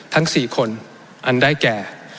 ทั้ง๔คนอันได้แก่